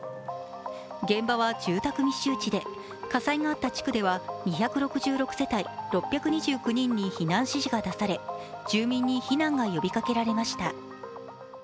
現場は住宅密集地で火災があった地区では２６６世帯６２９人に避難指示が出され、住民に避難が呼びかけられました。